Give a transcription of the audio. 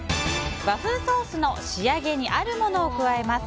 和風ソースの仕上げにあるものを加えます。